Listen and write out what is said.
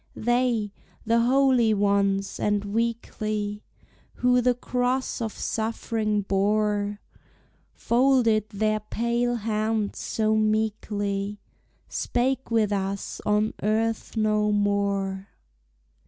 They, the holy ones and weakly, Who the cross of suffering bore, Folded their pale hands so meekly, Spake with us on earth no more!